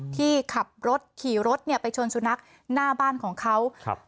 ที่ขับรถขี่รถเนี่ยไปชนสุนัขหน้าบ้านของเขาครับ